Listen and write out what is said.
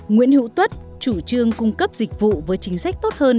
nguyễn hữu tuất chủ trương cung cấp dịch vụ với chính sách tốt hơn